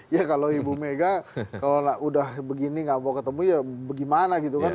ya kalau ibu mega kalau udah begini gak mau ketemu ya bagaimana gitu kan